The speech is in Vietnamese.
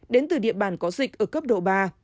đến từ địa bàn có dịch ở cấp độ ba